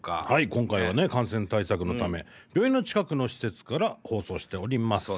今回は感染対策のため病院の近くの施設から放送しております。